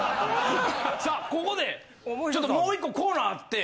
さあここでちょっともう１個コーナーあって。